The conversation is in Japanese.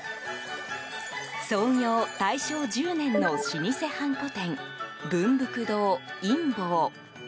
創業大正１０年の老舗ハンコ店文福堂印房。